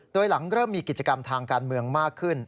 โดยหลังเริ่มมีกิจกรรมทางการเมืองมากขึ้น